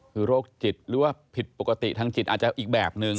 คือโรคจิตหรือว่าผิดปกติทางจิตอาจจะอีกแบบนึง